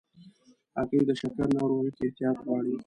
هګۍ د شکر ناروغۍ کې احتیاط غواړي.